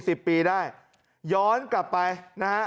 สิบปีได้ย้อนกลับไปนะฮะ